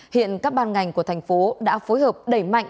hiện các ban ngành của thành phố đã phối hợp đẩy mạnh